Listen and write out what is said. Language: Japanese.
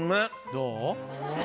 どう？